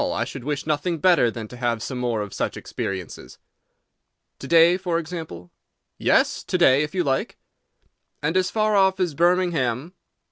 I should wish nothing better than to have some more of such experiences." "To day, for example?" "Yes, to day, if you like." "And as far off as Birmingham?"